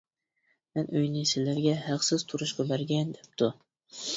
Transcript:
مەن ئۆينى سىلەرگە ھەقسىز تۇرۇشقا بەرگەن-دەپتۇ.